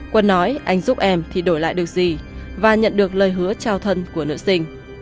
quân nói anh giúp em thì đổi lại được gì và nhận được lời hứa trao thân của nữ sinh